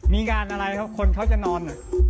มีงานอะไรครับคนเขาจะนอน